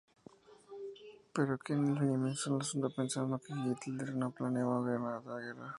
Pero Keitel minimizó el asunto pensando que Hitler no planeaba tal guerra.